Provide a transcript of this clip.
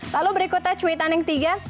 lalu berikutnya cuitan yang tiga